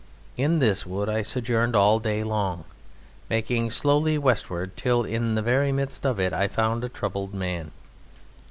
In this wood I sojourned all day long, making slowly westward, till, in the very midst of it, I found a troubled man.